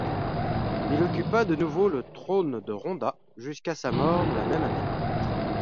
Il occupa de nouveau le trône de Ronda jusqu'à sa mort la même année.